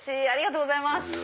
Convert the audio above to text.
ありがとうございます。